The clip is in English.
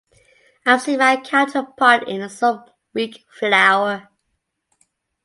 I've seen my counterpart in some weak flower.